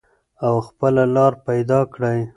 او خپله لار پیدا کړئ.